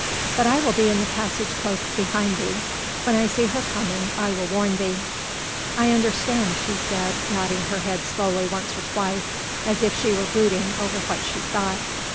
But I will be in the passage close behind thee. When I see her coming I will warn thee." "I understand," she said, nodding her head slowly once or twice as if she were brooding over what she thought.